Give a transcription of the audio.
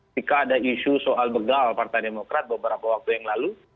jika ada isu soal begal partai demokrat beberapa waktu yang lalu